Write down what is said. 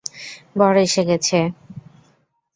বর এসে গেছে।